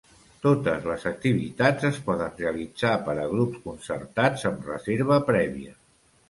Totes les activitats es poden realitzar per a grups concertats amb reserva prèvia.